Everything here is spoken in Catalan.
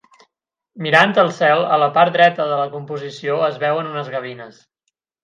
Mirant al cel a la part dreta de la composició es veuen unes gavines.